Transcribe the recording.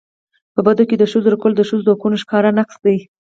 په بدو کي د ښځو ورکول د ښځو د حقونو ښکاره نقض دی.